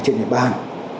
trên địa bàn